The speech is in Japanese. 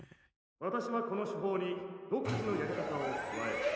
私はこの手法に独自のやり方を加え。